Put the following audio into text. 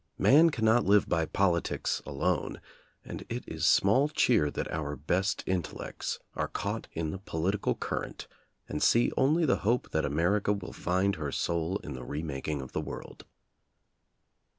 Man cannot live by politics alone, and it is small cheer that our best intellects are caught in the po litical current and see only the hope that America will find her soul in the remaking of the world.